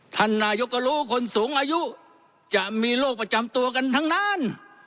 ท่านนายกก็รู้คนสูงอายุจะมีโรคประจำตัวกันทั้งนั้น